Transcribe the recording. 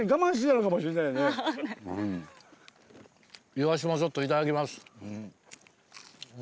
イワシもちょっと頂きます。